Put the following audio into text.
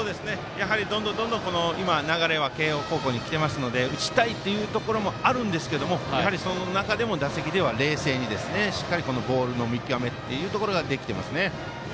どんどん流れは慶応高校にきてますので打ちたいというところもあるんですけどその中でも打席では冷静にしっかりボールの見極めというところができてますね。